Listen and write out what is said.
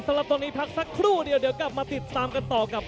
สำหรับตรงนี้พักสักครู่เดียวเดี๋ยวกลับมาติดตามกันต่อกับ